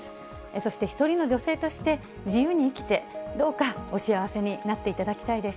そして一人の女性として自由に生きて、どうかお幸せになっていただきたいです。